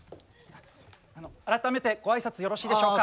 改めてご挨拶よろしいでしょうか。